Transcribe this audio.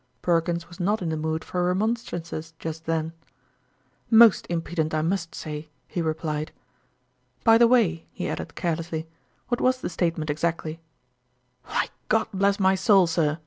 Perkins was not in the mood for remonstrances just then. " Most impudent, I must say," he replied. " By the way," he added carelessly, " what was the statement exactly ?"" Why, God bless my soul, sir